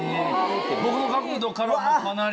僕の角度からはかなり。